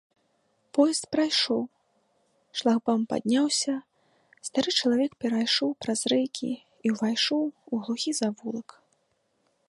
Поезд прайшоў, шлагбаум падняўся, стары чалавек перайшоў праз рэйкі і ўвайшоў у глухі завулак.